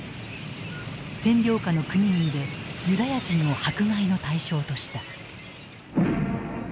占領下の国々でユダヤ人を迫害の対象とした。